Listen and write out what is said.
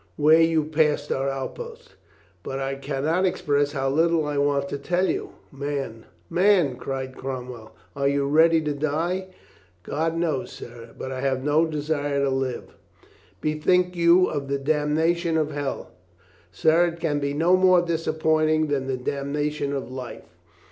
Where you passed our outposts?" "But I can not express how little I want to tell you." "Man, man !" cried Cromwell. "Are you ready to die?" "God knows, sir. But I have no desire to live." "Bethink you of the damnation of hell !" "Sir, it can be no more disappointing than the damnation of life."